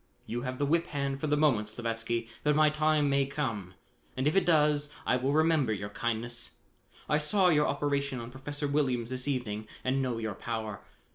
"You have the whip hand for the moment, Slavatsky, but my time may come and if it does, I will remember your kindness. I saw your operation on Professor Williams this evening and know your power.